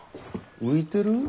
浮いてる？